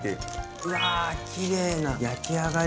うわきれいな焼き上がり。